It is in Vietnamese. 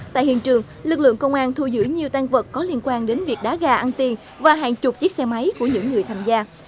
tại hiện trường lực lượng công an thu giữ nhiều tăng vật có liên quan đến việc đá gà ăn tiền và hàng chục chiếc xe máy của những người tham gia